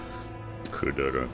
・くだらん。